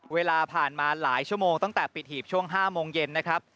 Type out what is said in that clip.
เวลาผ่านมาหลายชั่วโมงตั้งแต่ปิดหีบช่วง๕โมงเย็นนะครับ